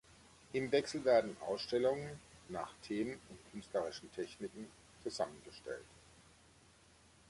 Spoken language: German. Im Wechsel werden Ausstellungen nach Themen und künstlerischen Techniken zusammengestellt.